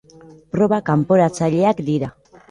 Proba kanporatzaileak dira.